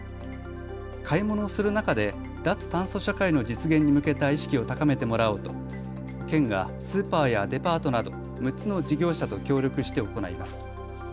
買い物をする中で脱炭素社会の実現に向けた意識を高めてもらおうと県がスーパーやデパートなど６つの事業者と協力して行います。